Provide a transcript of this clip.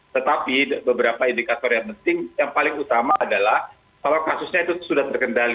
tetapi beberapa indikator yang penting yang paling utama adalah kalau kasusnya itu sudah terkendali